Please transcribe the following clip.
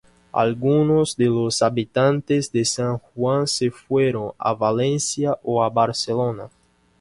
Algunos de los habitantes de San Juan se fueron a Valencia o a Barcelona.